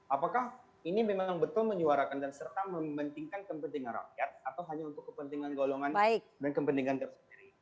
apakah ini memang betul menyuarakan dan serta mementingkan kepentingan rakyat atau hanya untuk kepentingan golongan dan kepentingan tersendiri